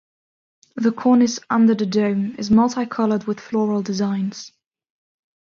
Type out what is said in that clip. The cornice under the dome is multi-coloured with floral designs.